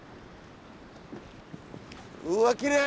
うわきれい！